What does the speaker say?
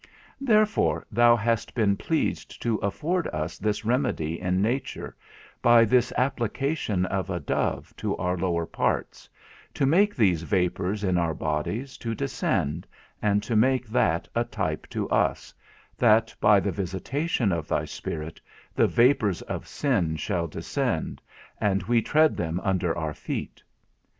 Therefore hast thou been pleased to afford us this remedy in nature, by this application of a dove to our lower parts, to make these vapours in our bodies to descend, and to make that a type to us, that, by the visitation of thy Spirit, the vapours of sin shall descend, and we tread them under our feet.